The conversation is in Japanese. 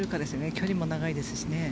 距離も長いですし。